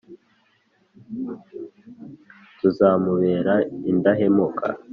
Tuzamubera indahemuka.